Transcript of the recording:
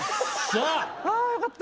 あよかった。